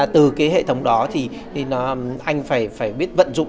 từ cái hệ thống đó thì anh phải biết vận dụng